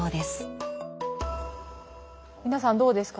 皆さんどうですか？